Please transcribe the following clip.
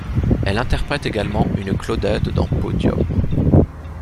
Elle interprète également une clodette dans Podium.